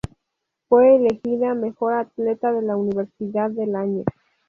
Fue elegida mejor atleta de la universidad del año.